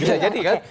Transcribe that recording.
bisa jadi kan